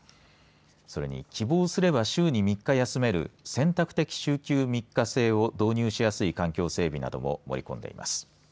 それに希望すれば週に３日休める選択的週休３日制を導入しやすい環境整備なども盛り込んでいます。